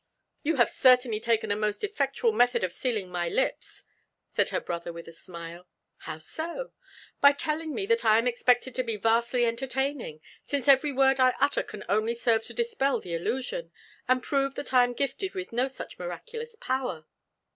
"You have certainly taken a most effectual method of sealing my lips," said her brother with a smile. "How so?" "By telling me that I am expected to be vastly entertaining, since every word I utter can only serve to dispel the illusion, and prove that I am gifted with no such miraculous power."